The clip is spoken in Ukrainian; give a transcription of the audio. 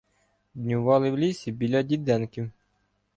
Днювали в лісі біля Діденків.